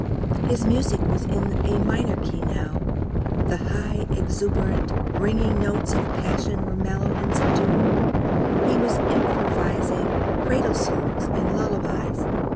His music was in a minor key now. The high, exultant, ringing notes of passion were mellowed and subdued. He was improvising cradle songs and lullabies.